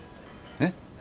えっ？